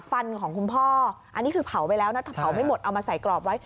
ฟันของคุณพ่ออันนี้คือเผาไปแล้วนะถ้าเผาไม่หมดเอามาใส่กรอบไว้